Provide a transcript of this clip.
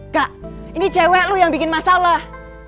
kak ini cewek loh yang bikin masalah